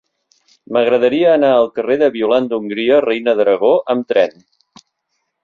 M'agradaria anar al carrer de Violant d'Hongria Reina d'Aragó amb tren.